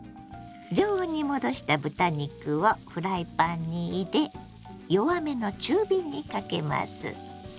常温に戻した豚肉をフライパンに入れ弱めの中火にかけます。